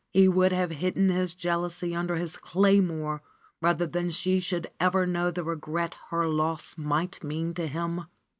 He would have hidden his jealousy under his claymore rather than she should ever know the regret her loss might mean to him.